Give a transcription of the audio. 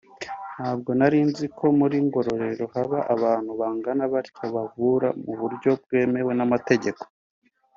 ntabwo narinzi ko muri Ngororero haba abantu bangana batya bavura mu buryo bwemewe n’amategeko